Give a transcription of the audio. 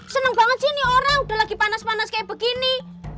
seneng banget sih ini orang udah lagi panas panas kayak begini